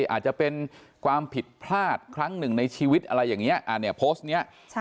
อาจจะเป็นความผิดพลาดครั้งหนึ่งในชีวิตอะไรอย่างนี้โพสต์นี้